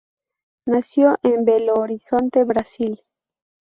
Nació en Belo Horizonte, Brasil.